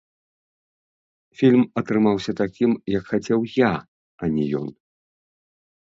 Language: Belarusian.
Фільм атрымаўся такім, як хацеў я, а не ён.